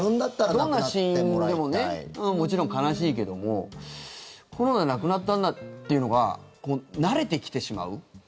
どんな死因でももちろん悲しいけどもコロナで亡くなったんだというのが慣れてきてしまう。